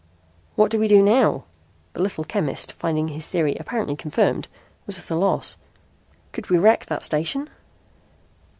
"What do we do now?" The little chemist, finding his theory apparently confirmed, was at a loss. "Could we wreck that station?"